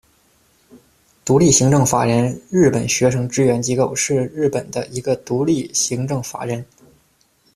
独立行政法人日本学生支援机构，是日本的一个独立行政法人。